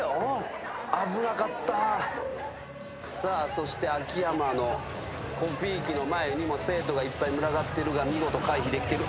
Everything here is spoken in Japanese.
そして秋山のコピー機の前にも生徒がいっぱい群がってるが見事回避できてる。